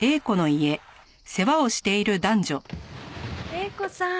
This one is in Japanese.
映子さん